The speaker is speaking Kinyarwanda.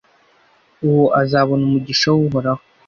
Uwo azabona umugisha w’Uhoraho